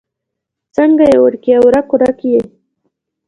څنګه يې وړکيه؛ ورک ورک يې؟